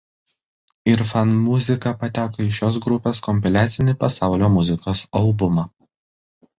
Irfan muzika pateko į šios grupės kompiliacinį pasaulio muzikos albumą.